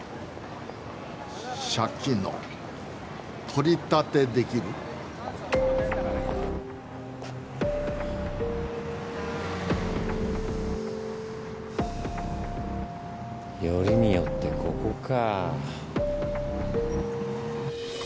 借金の取り立てできる？よりによってここか。